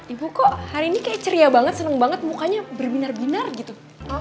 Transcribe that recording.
ibu kok hari ini kayak ceria banget seneng banget mukanya berbinar binar gitu